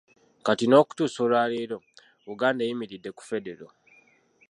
Kati n’okutuusa olwaleero, Buganda eyimiridde ku Federo.